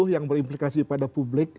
dua puluh yang berimplikasi pada publik